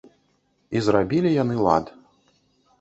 І зрабілі яны лад.